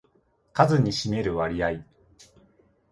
数に占める割合